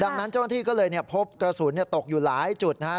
ดังนั้นเจ้าหน้าที่ก็เลยเนี่ยพบกระสุนเนี่ยตกอยู่หลายจุดนะฮะ